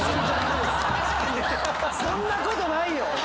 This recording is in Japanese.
そんなことないよ！